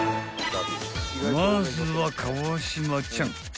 ［まずは川島ちゃん］